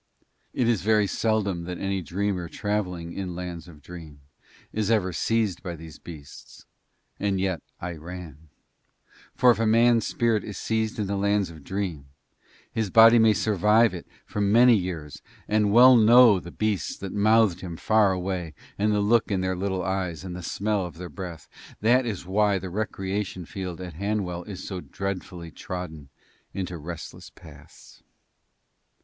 It is very seldom that any dreamer travelling in Lands of Dream is ever seized by these beasts, and yet I ran; for if a man's spirit is seized in the Lands of Dream his body may survive it for many years and well know the beasts that mouthed him far away and the look in their little eyes and the smell of their breath; that is why the recreation field at Hanwell is so dreadfully trodden into restless paths.